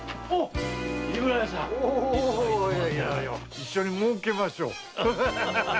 一緒に儲けましょう。